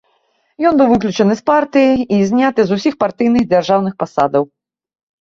Ён быў выключаны з партыі і зняты з усіх партыйных і дзяржаўных пасадаў.